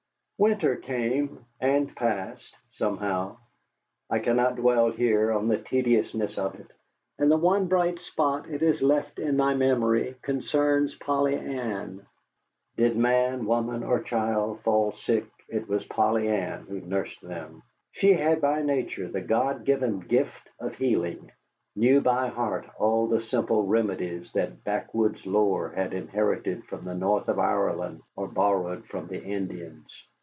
Winter came, and passed somehow. I cannot dwell here on the tediousness of it, and the one bright spot it has left in my memory concerns Polly Ann. Did man, woman, or child fall sick, it was Polly Ann who nursed them. She had by nature the God given gift of healing, knew by heart all the simple remedies that backwoods lore had inherited from the north of Ireland or borrowed from the Indians.